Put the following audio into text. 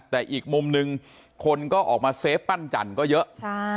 แต่อีกมุมนึงคนก็ออกมาเซฟปั้นจันทร์ก็เยอะ